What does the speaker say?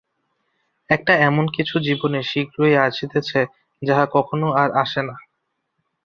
একটা এমন কিছু জীবনে শীঘ্রই আসিতেছে যাহা আর কখনও আসে না।